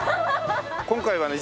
今回はね